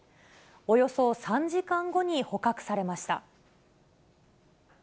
およそ３時間後に捕獲されました。